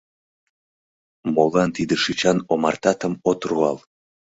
Молан тиде шӱчан омартатым от руал.